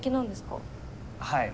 はい。